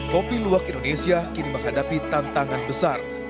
kopi luwak indonesia kini menghadapi tantangan besar